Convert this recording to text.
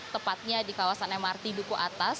tepatnya di kawasan mrt duku atas